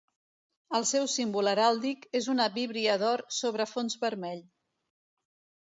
El seu símbol heràldic és una víbria d'or sobre fons vermell.